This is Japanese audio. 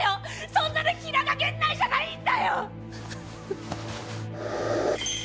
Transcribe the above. そんなの平賀源内じゃないんだよっ！